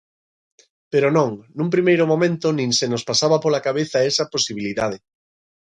Pero non, nun primeiro momento nin se nos pasaba pola cabeza esa posibilidade.